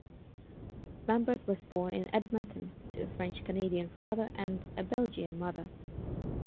Lambert was born in Edmonton, to a French Canadian father and a Belgian mother.